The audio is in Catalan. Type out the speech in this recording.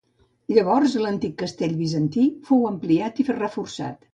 Llavors, l'antic castell bizantí fou ampliar i reforçat.